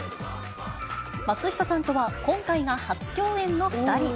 松下さんとは今回が初共演の２人。